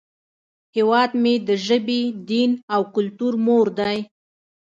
هیواد مې د ژبې، دین، او کلتور مور دی